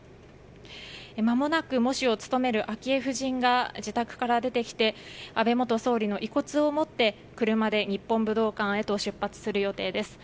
まもなく喪主を務める昭恵夫人が自宅から出てきて安倍元総理の遺骨を持って車で日本武道館へと出発する予定です。